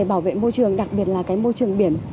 bảo vệ môi trường đặc biệt là cái môi trường biển